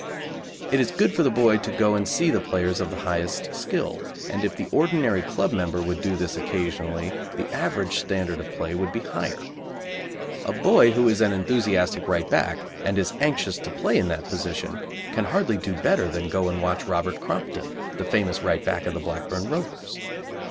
It is good for the boy to go and see players of the highest skill, and if the ordinary club member would do this occasionally the average standard of play would be higher. A boy who is an enthusiastic right back, and is anxious to play in that position, can hardly do better than go and watch Robert Crompton, the famous right back of the Blackburn Rovers.